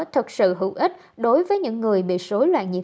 thật sự hữu ích đối với những người bị sối loạn nhiễm